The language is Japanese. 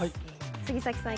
杉咲さん